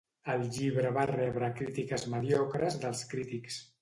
El llibre va rebre crítiques mediocres dels crítics.